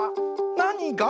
なにが？